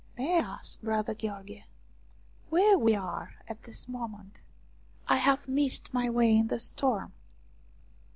" May I ask, brother Gheorghe, where we are at this moment ? I have missed my way in the storm."